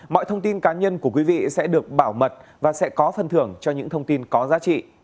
mọi thông tin cá nhân của quý vị sẽ được bảo mật và sẽ có phần thưởng cho những thông tin có giá trị